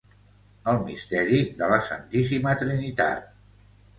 El misteri de la Santíssima Trinitat.